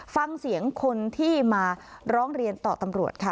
ฟังเสียงคนที่มาร้องเรียนต่อตำรวจค่ะ